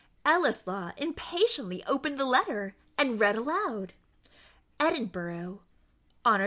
Ellieslaw impatiently opened the letter, and read aloud EDINBURGH, HOND.